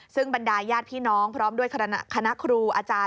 ซึ่งบรรดายญาติพี่น้องพร้อมด้วยคณะครูอาจารย์